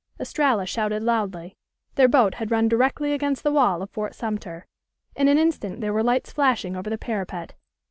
Estralla shouted loudly. Their boat had run directly against the wall of Fort Sumter. In an instant there were lights flashing over the parapet.